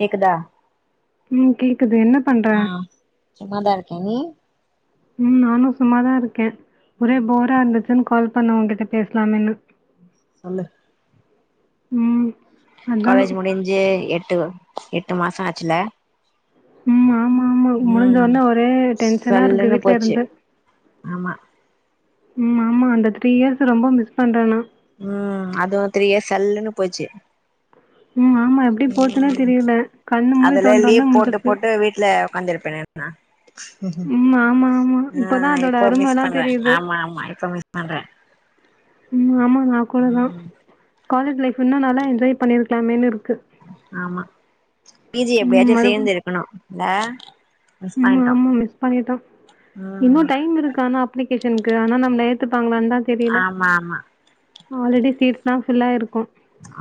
கேக்குதா ம் கேக்குது என்ன பண்ற ஆ சும்மாதா இருக்கே நீ ம் நானு சும்மாதா இருக்கே ஒரே போரா இர்ந்துச்சுன் கால் பண்ண ஒங்கிட்ட பேஸ்லாமேன்னு சொல்லு ம் அதா காலேஜ் முடிஞ்சி எ ட்டு எட்டு மாசோ ஆச்சுல்ல ம் ஆமா ஆமா முடிஞ்சொன்னே ஒரே டென்ஷனா இருக்கு சல்லுன்னு வீட்ல போச்சு இருந்து ஆமா ம் ஆமா அந்த த்ரீ இயர்ஸ் ரொம்ப மிஸ் பண்றே நா ம் அதுவு த்ரீ இயர்ஸ் சல்லுன்னு போச்சு ம் ஆமா எப்டி போச்சுன்னே ம் தெரியல கண்ணு மூடி அதுல தொறந்தோனே லீவ் போட்டு முடிஞ்சிருச்சு போட்டு வீட்ல உக்காந்திருப்பனே நா ம் ஆமா ஆமா ஆ இப்பதா அதோட இப்ப மிஸ் அருமலா பண்றே தெரிது ஆமா ஆமா இப்ப மிஸ் பண்றே ம் ஆமா நா கூடதா ம் காலேஜ் லைஃப் இன்னு நல்லா என்ஜாய் பண்ணிருக்கலாமேன்னு இருக் ஆமா பி ஜி ம் எப்டியாச்சு மறுபடி சேந்து இருக்கணு இல்ல மிஸ் ம் பண்ணிட்டோ ஆமா மிஸ் பண்ணிட்டோ இன்னு ம் டைம் இருக்கு அனா அப்ளி கேஷன்க்கு அனா நம் ஏத்துப்பாங்களான் ஆமா ஆமா ஆல்ரெடி சீட்ஸ்லா ஃபில் ஆயிருக்கு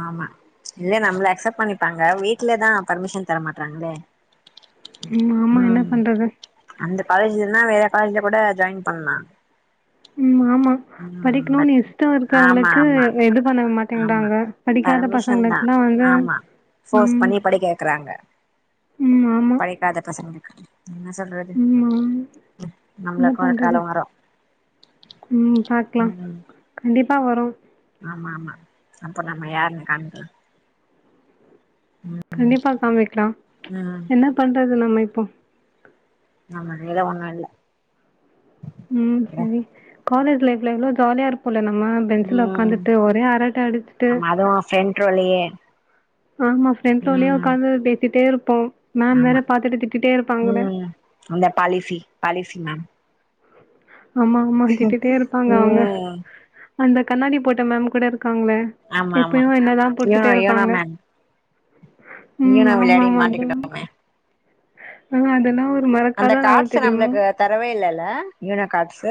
ஆமா இல்ல நம்ள அக்செப்ட் பண்ணிப்பாங்க வீட்லதா பர்மிஷன் தர மாட்றாங்களே ம் ஆமா என்ன பண்றது அந்த காலேஜ் இல்னா வேற காலேஜ்ல கூட ஜாய்ன் பண்லா ம்மா ஆமா ம் படிக்ணூனு பட் இஷ்டொ ஆமா இருக்குறவங்களுக்கு ஆமா எது பண்ண ஆமா மாட்டேங்குறாங்க படிக்காத பர்மிஷன் தா பசங்களுக்லா வந்து ஆமா ஃபோர்ஸ் ம் பண்ணி படிக்க வெக்கிறாங்க ம் ஆமா படிக்காத பசங்களுக்கு என்ன சொல்றது ம் ஆமா என்ன நம்ளுக்கு ஒரு பண்றது காலொ வரு க்லா ம் கண்டிப்பா வரு ஆமா ஆமா அப்போ நம்ம யாருன் காமிக்லா கண்டிப்பா காமிக்லா ம் என்ன பண்றது நம்ம போ நம்ம கைல ஒன்னு இல்ல ம் சரி காலேஜ் லைஃப்ல எவ்ளோ ஜாலியா இருப்போல்ல ந ம்ம பென்சுல ம் உக்காந்துட்டு ஒரே அறட்ட அடிச்சிட்டு ஆமா அதுவு ஃப்ரெண்ட் ரோலயே ஆமா ஃரெண்ட் ரோலையோ ம் உக்காந்து பேசிட்டேருப் போ ஆமா உம் அந்த பாலிசி பாலிசி மேம் ஆமா ஆமா திட்டிடோ இருப்பாங்க அவங்க ம் அந்த கண்ணாடி போட்ட மேம் கூட இரு இருக்காங்க ஆமா ஆமா இப்பயு என்னதா யோனோ புடிச்சிட்டே யோனோ இருப்பாங்க மேம் உம் யோனோ ஆமா விளையாடி ஆமா அந்த மாட்டிக்கிட்டோ ஆஹ் அதெல்லா ஒரு அந்த மறக்காத நாள் காட்ஸ் தெரியுமா நம்மளுக்கு தரவே இல்ல ன காட்ஸ்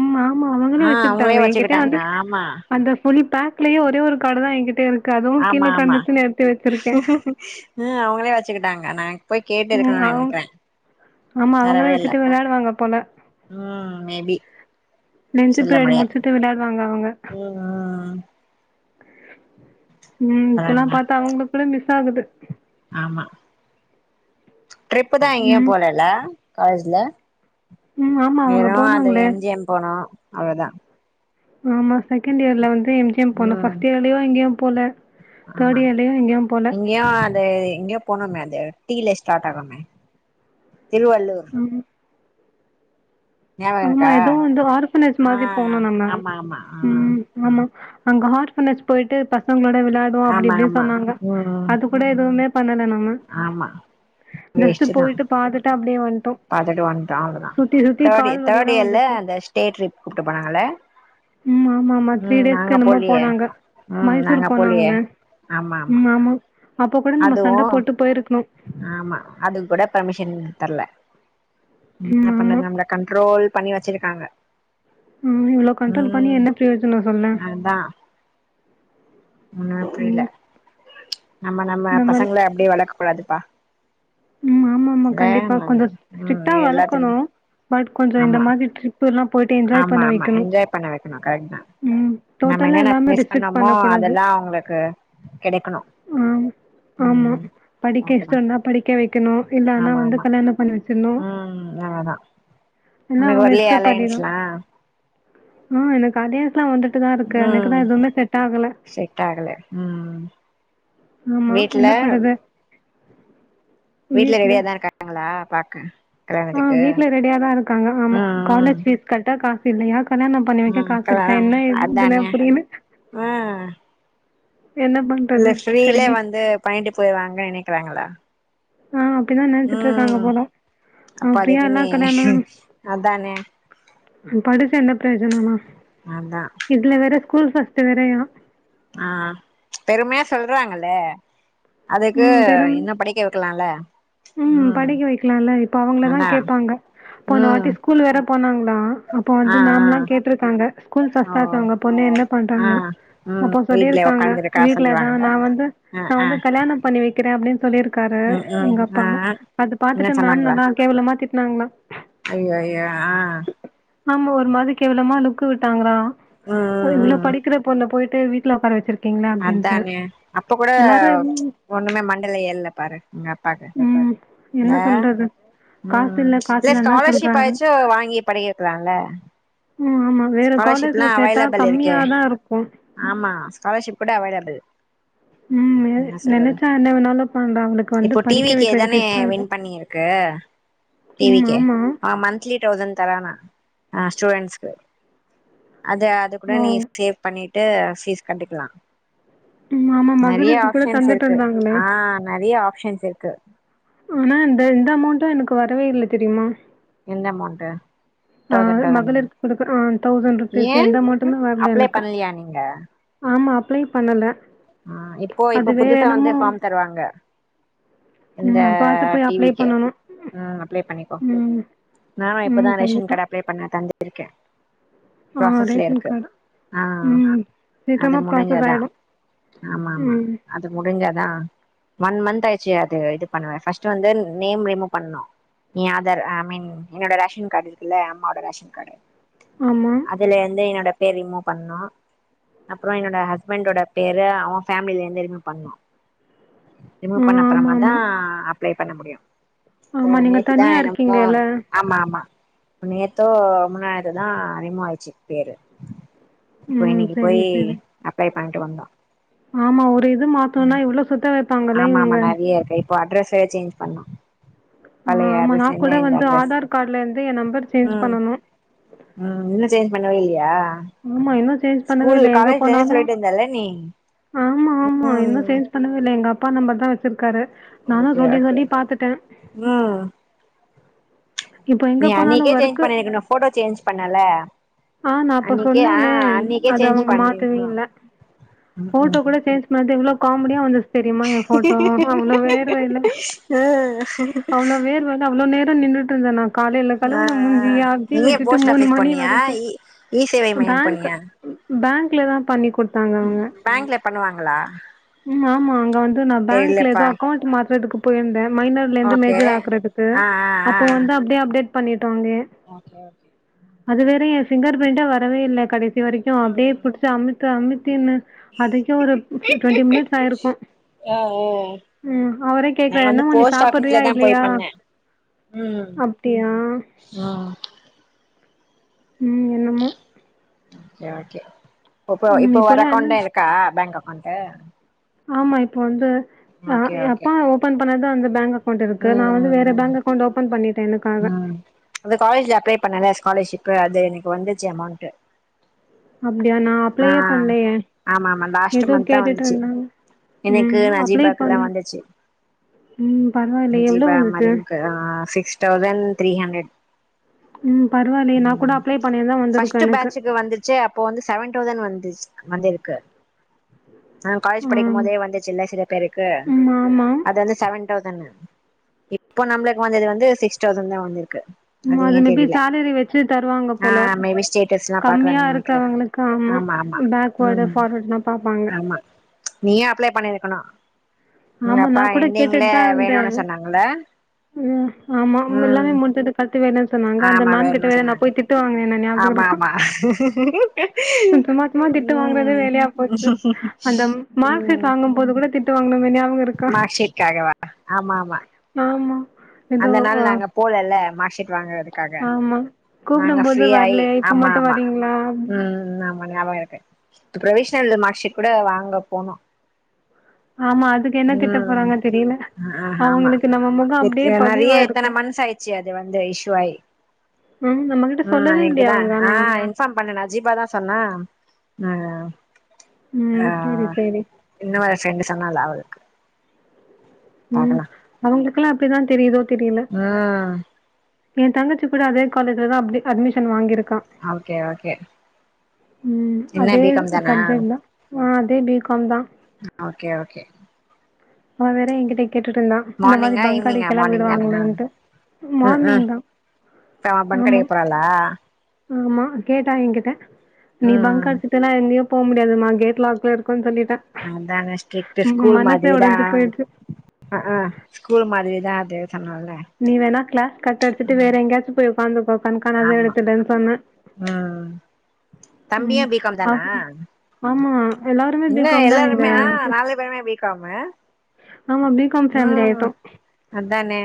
உம் ஆமா அவங்களே அவங்களே வச்சிக்கிட்டாங்க என்கிட்ட வச்சுக்கிட்டாங்க வந்து ஆமா அந்த புலி பக்லியே ஒரே ஒரு கார்ட தா என்கிட்ட இருக்கு அதுவும் கீழ ஆமா ஆமா கிடந்துச்சுன்னு எடுத்து வச்சிருக்கேன் ஹம் அவங்களே வச்ச வச்சுக்கிட்டாங்கண்ணா போய் கேட்டு ம் இருக்கணு அவ் நனக்கிற ஆமா அவங்களே தரவே இல்ல வச்சுட்டு விளையாடுவாங்க போல உம் மேபி லன்ச் சொல்ல பீரியட் முடியாது முடிச்சுட்டு விளையாடுவாங்க அவங்க உம் உம் உம் இப்பலா அதாங்க பார்த்தா அவங்க கூட மி ஆகுது ஆமா ட்ரிப்பு தா எங்கியு ம் போலல்ல காலேஜ்ல ம் ஆமா அவங்க வெறும் அது போனாங்களே எம்ஜிம் போனும் அவளதான் ஆமா செகண்ட் இயர்லந்து எஜிஎம் போன ம் ஃர்ஸ்ட்யர்லயோங்கும் போல தேர்ட் ஆமா இயர்லயு எங்கேயு போல இங்கயோ அது இங்கயோ போனுமே அது டீல ஸ்டார்ட் ஆகமே திருவள்ளூர் ம் ஞாபகம் ஆமா இருக்கா எதவும் வந்து ஆர்கனைஸ் ஆ மாதிரி போனும் நம்ம ஆமா ஆமா ஆ ஆ அங்க ஹார்ட் ப போயிட்டு பசங்களோட விளை விளாடும் அப்படி ஆமா இப்படின்னு ஆமா சொன்னாங்க ம் அது கூட எதுவுமே பண்ணல ஆமா ஜஸ்ட் வேஸ்ட்டு தா போயிட்டு பாத்துட்டா அப்படி வந்து பாத்துட்டு வந்துட்டோ அவ்ளோதா அப்பாடி கால் தேர்ட் வலிதா இயர்ல வந்துச்சு அந்த ஸ்டே ட்ரிப் கூட்டு போனாங்கல்ல ம் ஆமா ஆமா த்ரீ ம் டேஸ்க்கு நாங்க என்னமோ போலியே போனாங்க ம் மைசூர் நாங்க போலிய போனாங்களே ஆமாமா ம் ஆமா அப்போ கூட நம்ம சண்ட போட்டு போயிருக்கணு சன் தர்ல ம் என்ன ஆமா பண்றது நம்மள கண்ட்ரோல் பண்ணி வச்சிருக்காங்க ம் இவ்ளோ கண்ட்ரோல் பண்ணி ம் என்ன பிரயோஜனம் சொல்லு ம் புரியல நம்ம நம்ம பசங்கள அப்டே வளக்க கூடாதுப்பா ம் ம் ஆமா இந்த கண்டிப்பா கொஞ்ச ம் ஸ்ட்ரிக்டா எல்லாத்துலயு வளக்கணும் பட் கொஞ்ச இந்த ஆமா மாதிரி ட்ரிப் எல்லாம் ஆமா ஆமா என்ஜாய் பண்ண வக்கணும் கரெக்ட்தா ம் நம்ம டோட்டலா என்னன்ன எல்லாமே மிஸ் ரெஸ்ட்ரிக்ட் பண்ணோமோ பண்ணக் கூடாது அதெல்லா அவுங்களுக்கு கெடைக்கணும் ம் ஆமா படிக்க தா இஷ்டம்னா படிக்க வக்கணும் இல்லன்னா ஆமா வந்து ஆமா கல்யாணம் பண்ணி வச் ம் அததா ஒனக்கு வர்லியா அலையன்ஸ்லா ம் எனக்கு அதே ல்லாம் வந்துட்டுதா இருக்கு ம் எனக்குதா எதுவுமே செட் ஆகல செட் ஆகல ம் ஆமா வீட்ல என்ன பண்றது வீட்ல ரெடியாதா இருக்காங்களா பாக்க ஆ கல்யாணத்துக்கு வீட்ல ரெடியாதா இருக்காங்க ஆமா ம் காலேஜ் ஃபீஷ் கட்ட கா தில்லையா கல்யாண பண்ணி வெக்க ம் ம் காசு இருக்கா கல்யாண இதெல்லா எப் இதெல்லா அதானே புரியில ம் என்ன பண்றது கீழே வந்து பாயின்டு போய்ருவாங்கன் நெனக்கிறாங்களா ஆ அப்டிதா நெனச்சிட்டு இருக்காங்க ம் போல அப்ப ஆ அதுக்கு ஃப்ரீயால்லா நீ அதானே படிச்ச என்ன பிரோஜன நா அதா ஸ்கூல் ஃபஸ்ட்டு வேறயா ஆ பெருமையா சொல்றாங்கல்லே அதுக்கு ம் பெரும் இன்னு படிக்க வக்கலால ம் படிக்க வெக்கலால்ல இப்ப அவுங்களதா கேப்பாங்க ம் போனவாட்டி ஸ்கூல் வேற போனாங்க ளா அப்போ ஆ வந்து ஆ மேம்லா கேட்ருக்காங்க ஸ்கூல் ஓ ஃபஸ்ட்டாச்சே உங்க பொண்ணு என்னப் ஆ பண்றாங்க ம் அப்போ வீட்ல சொல்லிருக்காங்க உக்காந்துருக்கா வீட்லதா சொல்லுவாங்கல்ல நா வந்து ஆ நா ஆ வந்து கல்யாணம் பண்ணி வக்கிற அப்டின் [unintelligible] க்காரு ம் ம் எங்கப் பா ஆ அது பாத்துட்டு மேம் நல்லா கேவலமா தி ட்னாங்களா ஐயோயோ ஆஹ் ஆமா ஒரு மாதி கேவ்லமா லுக்கு விட்டாங்கரா ம் அது ம் இவ்ளோ படிக்கிற பொண்ண போயிட் டு வீட்ல ஒக்கார வச்சிருக் அத்தானே அப்ப கூட எல்லாரும் ஒண்ணுமே மண்டேல ஏர்ல பாரு உங்கப்பாக்கு ம். ல என்ன சொல்றது? காசு உம் காசு இல்ல இல்லன்னு தான் சொல்றாங்க. ஸ்காலெர்ஷிப்பாய்ச்சு வாங்கி படிக்கவக்கலாம்ல ம் ஆமா வேற காலேஜ்ல ஸ்காலெர்ஷிப்ல்லா சேத்தா அவைலபிள் கம்மியா இருக்கே தான் இருக்கும் ஆம்மா ஸ்காலெர்ஷிப் கூட அவைல க்கு ம் நெ என்ன சொல்றது நெனச்சா என்ன வேணாலும் பண்றா அவளுக்கு வந்து இப்போ டி படிக்க வி கே வைக்கிறதுக்கு தானே இஷ்டம் இல்ல வின் பண்ணியிருக்கு டி வி ம் கே ஆமா அவன் மன்த்லி டவ்சண் தரானா ஆஹ் ஸ்டூடெண்ஸ்க்கு அது அது கூட ஓ நீ ஸ்டேவ் பண்ணிட் டு ஃபீஸ் கண்டிக்கலாம் ம் ஆமா நெறையா மகளிருக்கு கூட ஆப்ஷன்ஸ் தந்துட்டு இருக்கு இருந்தாங்களே ஆஹ் நறையா ஆப் ஷன்ஸ் இருக்கு ஆனா இந்த எந்த அமௌண்டும் எனக்கு வரவே இல்ல தெரியிமா எந்த அமௌண்டு ஹ மகளிர்க்குடுக்கர தௌசண்ட்ருபீஸ் ஏ எந்த அமௌண்டுமே வரல அப்ளை எனக்கு பண்லையா நீங்க ஆமா அப்ளே பண்ணல ஆஹ் இப்போ அது இப்ப வேற புதுசா வந்து என்னமோ ஃபார்ம் தருவாங்க இந்த ம் அப்பாவாச்சும் போய் டி அப்ளை வி கே பண்ணணும் உம் அப்ளே பண்ணிக்கோ ம் நானும் ம் இப்பதான் ரேஷன் கண்டிப்பா கார்டு அப்ளே பண்ண தந்து இருக்கேன் ஆ பரோசஸ்ல ரேஷன் இருக்கு கார்டு ஆஹ் ம் அது சீக்கிரமா ப்ராசஸ் முடிஞ்சாதான் ஆயிடு ஆமா ஆமா ம் அது முடிஞ்சாதான் ஒன் மந்த் ஆயிடுச்சு அது இது பண்ணுவே ஃபஸ்ட் வந்து நேம் ரிமூவ் பண்ணும் நீ ஆதார் ஐ மீன் என்னோட ரேஷன் கார்ட இருக்குல்ல அம்மோட ரேஷன் கார்டு ஆமா அதுல வந்து என்னோட பே ரரிமூ பண்ணோ அப்றோ என்னோட ஹஸ்பண்டோட பேரு அவன் ஃபேமில இருந்து ரிமூ பண்ணு ஆ ரிமூவ் பண்ண ஆமா அப்றமாதா ஆமா அப் அப்பளே பண்ண முடியும் ஆமா நீங்க தனியா இருக்கீங்கல்ல மா ஆமா நேத்தோ முந்தாநேத்தோதா ரிமூ ஆய்ச்சு பேரு இப்ப ம் இன்னைக்கி சரி போய் சரி அப்ளே பண்ணிட்டு வந்தோ ஆமா ஒரு இ து மாத்தோன்னா ம் எவ்ளோ சுத்த வெப்பாங்கல்ல ஆமா ஆமா இவுங்க நெறைய இருக்கு இப்போ அட்ரெஸ் வேற சேஞ்ச் பண்ணோ ம் பழைய ஆமா நா அட்ரஸ்ல கூட இருந்து இந்த வந்து அட்ரஸ் ஆதார் காட்லேந்து ஏ நம்பர் சேஞ்ச் ம் பண்ணனு ம் இன்னு சேஞ்ச் பண்ணவே இல்யா ம்மா இன்னு சேஞ்ச் பண்ணவே இல்ல எங்க இருந்தே போனாலு சொல்லிட்டு இருந்தல்ல நீ ஆமா ஆமா இன்னு ம் சேஞ்ச் பண்ணவே இல்ல எங்க அப்பா நம்ப தா வச்சிருக்காரு நானு ஓகே சொல்லி ஓகே சொல்லி பாத்துட்ட ம் நீ அன்னிக்கே சேஞ்ச் பண்ணிருக்கணு ஃபோட்டோ சேஞ்ச் பண்ணல்ல ஆ நா அப்ப சொன்னேன்னே அன்னைக்கே அது சேஞ்ச் அவங்க மாத்தவே பண்ணிருக்கணு இல்ல ம் ஃபோட்டோ ம் குட சேஞ்ச் மாத்தேவுள் காமெடியா வந்துச் தெரியுமா என் போட்டோ அவ்ளோ வேர்வயல ஆ அவ்ளோ வேர்வல அவ்ளோ நேர் நின்னுட்ருந்தனா காலைல ஆ கழுவுன முஞ்சி அப்டியே எங்க வச்சிட்டு போஸ்ட் மூணு ஆபீஸ் மணி போனியா வரைக்கு இ இ சேவை மையம் பேங்க்கு போனியா பேங் க்குல தா பண்ணிகோ தாங்க அவ்ங்க பேங்க்ல பண்ணுவாங்களா ம் ஆமா அங்க வந்து நாபேங்க்ல எதோ தெரிலப்பா அக்கவ்ண்ட் மாத்தறதுக் போயிருந்த மைனர்லந்து ஓகே மேஜர் ஆக்குறதுக்கு ஆ ஆ ஆ அப்போ வந்து அப்டே அப்டேட் பண்ணி ஓகே ஓகே வேற என் ஃபிங்கர் பிரிண்ட் வரவே இல்ல கடை சி வரைக்கோ அப்டே ம் புடிச்சு அமுக் கமுக்கின்ன அதுக்கே ஒரு டுவெண்டி மிட்ஸ் ஆயிருக்கு, ஆ ஆ ம், அவரே நா கேக்றாரு வந்து என்னமா நீ போஸ்ட் ஆபீஸ்ல சாப்புட்றியா தா போய் இல்லயா பண்ணே ம் அப்டியா ம் ம், என்னமோ கே ஓகே இப்ப ம் இப்போ ஒரு இப்போல்லா என்ன அக்கோண்ட்தா இருக்கா பேங்க் அக் கோண்ட் ஆமா இப்ப வந்து ஆ எ ஓகே அப்பா ஓபன் பண்ணதா அந்த பேங்க் அக் கௌண்ட் இருக்கு நா ம் வந்து வேற ம் பேங்க் அக்கவுண்ட் ஓபன் பண்ணி ம் அது காலேஜ்ல அப்ளை பண்ணலா ஸ்காலர்ஷிப் பு அது எனக்கு வந்துச்சு அமௌண்ட்டு அப்டியா நா ஆ அப்ளையே பண்லயே ஆமா ஆமா லாஸ்ட் எதோ மந்த் தா வந்துச்சு கேட்டுட்ருந்தாங்க எனக்கு ம் அப்ளை நஜீபாக்குல்லா பண் வந்துச்சு ம் பரவாலயே எவ்ளோ நஜீபா வந்துது மரியம்க்கு ஆ சிக்ஸ் தௌசண்ட் த்ரீ ஹண்ட்ரட் ம் பரவாலயே நா கூட ம் அப்ளை பண்ணிருந்தா வந்துருக்கு எனக்கு தவ்சன் வந்துச் வந்திருக்கு ஆ காலேஜ் படிக்குமோதே வந்துச்சுல்ல சில பேருக்கு ம் ஆமா அது வந்து செவன் டவ்சண்ட் இப்ப நம்ளுக்கு வந்தது வந்து சிக்ஸ் டவ்சண்ட்தா வந்திரு ம அது மே பி சேலரி வெச்சு தருவாங்க ஆ போல மேபி ஸ்டேட்டஸ்லா கம்யா பாக்குறாங்க நெனைக்கிறே இருக்கவங்ளுக்கு ஆமா பேக்வேர்டு ஃபார்வேர்டுலா பாப்பாங்க ஆமா நீயு அப்ளை பண்ணிருக்கனு ஆமா நா கூட கேட்டுட்டு தா இருந்தே, சொன்னாங்கல்ல ம், ஆமா எல்லாமே ம் முடிஞ்சது கத்துவேனு சொன்னாங்க அந்த ஆமா மேம் கிட்ட வேணுனு வேற நா சொன்னாங்க போய் திட்டுவாங்குன ன ஞாபக ஆமா இருக்கா ஆமா சும்மா சும்மா திட்டு வாங்கறதே ம் வேலையா போச்சு அந்த மார்க் சீட் வாங்கும் போது கூட திட்டு வாங்குனமே ஞாபக மார்க் சீட்காகவா ஆமா ஆமா ஆமா ஏதோ அந்த நாள் ஆ நாங்க போல இல்ல ஆமா கூப்புடும் போது ஃப்ரீயாயி வரலயே இப்ப ஆமா மட்டு ஆமா வரீங்களா ம் ஆமா ஞாபகம் இருக்கு பிரொவிஷ்னல் மார்க் சீட் கூட வாங்க போனோ ஆமா அதுக்கு என்ன திட்ட ம் போறாங்க தெரியல. ஆ ஆமா அவங்களுக்கு நம்ம முகம் எத் அப்படியே எ நறைய எத்தன பதிவாயிருக்கும். மந்த்ஸ் ஆயிடுச்சி அது வந்து இஷ்யு ஆகி ம் நம்மகிட்ட ம் சொல்லவே இங்க இல்லையே தா அவங்க ஆ ஆனா. இன்பார்ம் பண்ணுனா மஜீபாதா சொன்னா ஆ ம் செரி செரி நல்லாவு இருக்கு ம் அவங்களுக்குல்லா எப்டிதா தெரியுதோ ம் எ தங்கச்சி கூட அதே காலேஜ்ல தா அப்டி அட்மிஷன் வாங்கிருக் கா ஓகே ஓகே ம் என்ன அதே பி காம் தானா சப்ஜெக்ட் தா ஆ சேம் பி காம் தா ஓகே ஓகே அவ வேற ஏங்கிட்ட கேட்டுட்ருந்தா இந்த மாரி மார்னிங்கா பங்க் ஈவினிங்கா அடிக்கலா மார்னிங் தானா விடுவாங்களாண்ட்டு ம் ம் மார்னிங்தா இப்ப அவ பன் ஆமா கடைக்கு போறாளா ஆமா கேட்டா ஏங்கிட்ட நீ பங்க் ம் அடிச்சுட்டனா என்னயும் போ மு யாதுமா கேட் லாக்லா இருக் அதாங்க ஸ்ட்ரிட்டு ஸ்கூல் மனசே மாதிரி தா உடைஞ்சு போயிடுச்சு. அ அ அ ஸ்கூல் மாதிரி தா அது சொன்னல்ல நீ வேணா க்ளாஸ் கட் அடிச்சிட்டு வேற ம் எங்கயாச்சு போய் ஒக்காந்துக்கோ கண்காணாத ஆமா எடத்துலன் சொன்ன ம் ம் தம்பியு பி காம் தானா அவனு ஆமா எல்லாருமே என்ன பிகாம் தான் எங்க எல்லாருமே ஆ நாலு பேருமே பி காமு ஆமா பி காம் ஃபேமிலி ம் ஆய்ட்டோ அதானே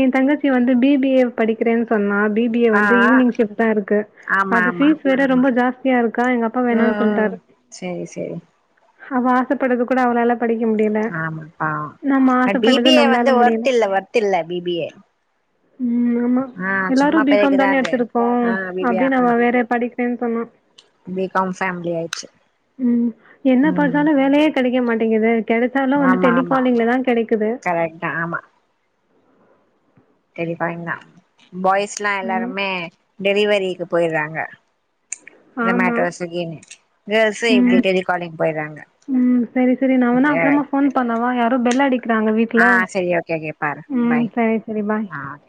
ஏந் தங்கச்சி வந்து பி பி ஏ படிக்கிறேன் சொன்னா பி பி ஏ ஆ வந்து ஈவினிங் ஷிஃப்ட்டா இருக்கு ஆமா அது ஆமா ஃபீஸ் வேற ரொம்ப ஜாஸ் தியாருக் ம் ம் சேரி சேரி அவ ஆசப்பட்டது கூட அவளால படிக்க முடியல ஆமாப்பா நம்ம அ பி ஆசைப்பட்டது பி ஏ வந்து நம்மளால முடியல வொர்த் இல்ல வொர்த் இல்ல பி பி ஏ ம் ஆமா ஆ சும்மா எல்லாரும் பி காம் பேருக்குதா தானே அது எடுத்திருக்கோம் ஆ பி பி ஏ அப்படின்னு அவ ஆமா வேற படிக்கிறேன்னு சொன்னா பி காம் ஃபேமிலி ஆயிட்ச்சு ம் என்ன பாத்தாலு வேலையே கெடைக்க மாட்டேங்கிதே கெடச்சாலு வந்து ஆமா ஆமா டெலிகாலிங்லதா கெடைக்குது கரெக்ட் டெலி காலிங்தா பாய்ஸ்லா ஆமா எல்லாருமே டெலிவரிக்கு போய்றாங்க ஆமா கேர்ள்ஸு இப்டி ம் டெலிகாலிங் போயிட்றாங்க ம் சரி சரி நா வேணா அது அப்றமா ஃபோன் பண்ணவா யாரோ பெல் அடிக் கிறாங்க வீட்ல ஆ சரி ஓகே ஓகே பாரு ம் பாய் சேரி சேரி பாய் ஆ ஓகே